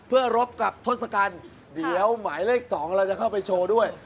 เพื่อรบกับทศกัณฐ์เดี๋ยวหมายเลข๒เราจะเข้าไปโชว์ด้วย